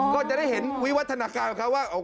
ก็จะได้เห็นวิวัฒนาการของเขาว่า